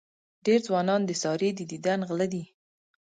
ډېر ځوانان د سارې د دیدن غله دي.